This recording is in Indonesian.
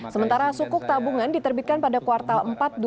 sementara sukuk tabungan diterbitkan pada kuartal empat dua ribu